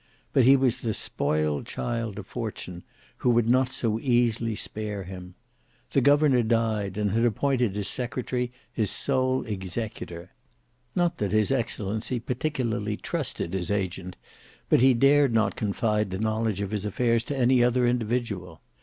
But he was the spoiled child of fortune, who would not so easily spare him. The governor died, and had appointed his secretary his sole executor. Not that his excellency particularly trusted his agent, but he dared not confide the knowledge of his affairs to any other individual.